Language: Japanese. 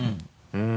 うん。